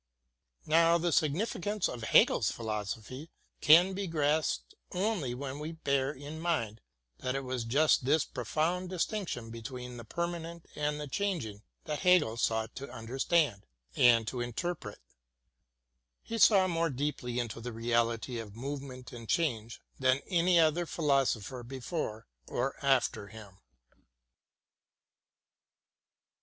Now the significance of Hegel's philosophy can be grasped only when we bear in mind that it was just this profound distinction between the permanent and the changing that Hegel sought to under stand and to interpret. He saw more deeply into the reality of movement and change than any other philosopher be fore or after him.